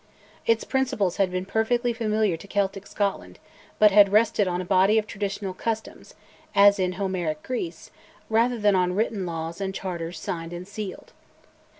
Its principles had been perfectly familiar to Celtic Scotland, but had rested on a body of traditional customs (as in Homeric Greece), rather than on written laws and charters signed and sealed.